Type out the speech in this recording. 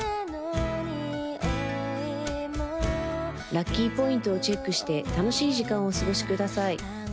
ラッキーポイントをチェックして楽しい時間をお過ごしください